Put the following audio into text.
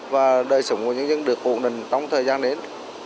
và đời sống của nhân dân được ổn định trong thời gian đến